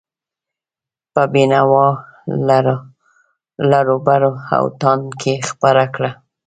په بینوا، لراوبر او تاند کې خپره کړه.